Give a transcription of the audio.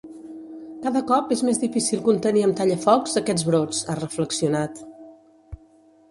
Cada cop és més difícil contenir amb tallafocs aquests brots, ha reflexionat.